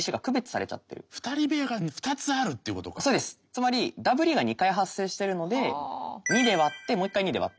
つまりダブリが２回発生してるので２で割ってもう一回２で割ってあげる。